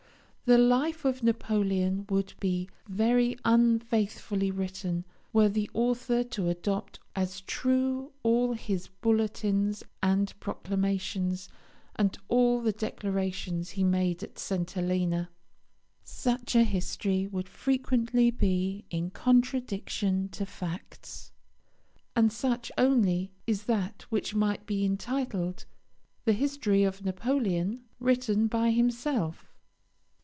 The life of Napoleon would be very unfaithfully written were the author to adopt as true all his bulletins and proclamations, and all the declarations he made at St. Helena. Such a history would frequently be in contradiction to facts; and such only is that which might be entitled, 'The History of Napoleon, written by Himself'.